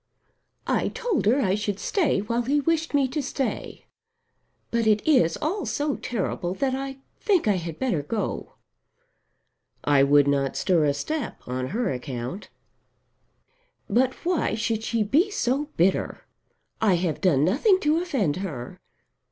"I told her I should stay while he wished me to stay. But it is all so terrible, that I think I had better go." "I would not stir a step on her account." "But why should she be so bitter? I have done nothing to offend her.